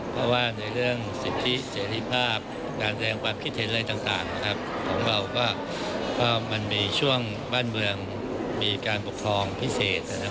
เพราะว่าในเรื่องสิทธิเศรษภาพการแรงความคิดเท็จทางต่างของเรามันมีช่วงบ้านเมืองมีการประพองพิเศษ